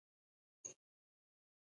راستون شوي فاتحین له جګړې مکلف دي.